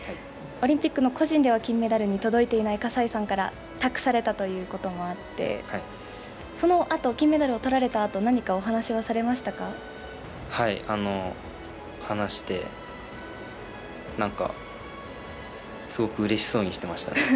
オリンピックの個人では金メダルに届いていない葛西さんから託されたということもあって、そのあと、金メダルをとられたあと、何はい、話して、なんか、すごくうれしそうにしてました。